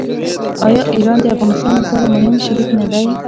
آیا ایران د افغانستان لپاره مهم شریک نه دی؟